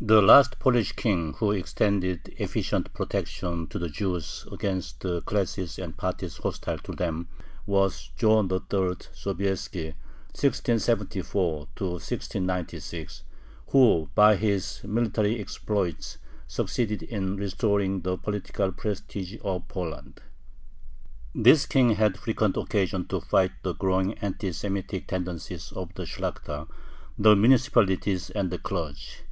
The last Polish king who extended efficient protection to the Jews against the classes and parties hostile to them, was John III. Sobieski (1674 1696), who by his military exploits succeeded in restoring the political prestige of Poland. This King had frequent occasion to fight the growing anti Semitic tendencies of the Shlakhta, the municipalities, and the clergy.